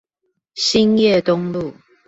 興業東路